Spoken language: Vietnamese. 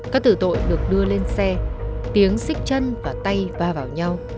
các từ tội được đưa lên xe tiếng xích chân và tay va vào nhau